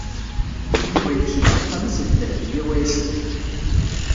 Yuba yekcem s axxam-is d Dehbiya u Ɛisiw.